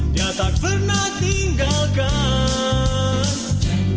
dia tak pernah tinggalkan